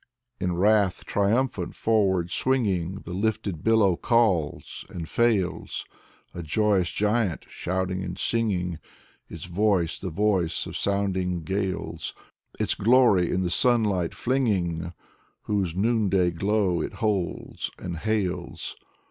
In wrath triumphant forward swinging, The lifted billow calls, and fails, A joyous giant, shouting, singing. Its voice the voice of sounding gales. Its glory in the sunlight flinging Whose noonday glow it holds and hails.